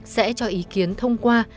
sẽ cho ý kiến thông qua